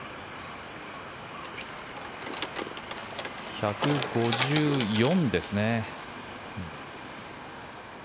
１５４ですね。